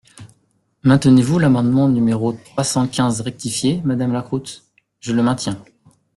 Maintenez-vous l’amendement numéro trois cent quinze rectifié, madame Lacroute ? Je le maintiens.